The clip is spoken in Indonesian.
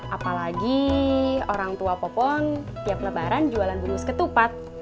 apalagi orang tua popon tiap lebaran jualan bungus ketupat